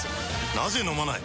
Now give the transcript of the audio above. なぜ飲まない？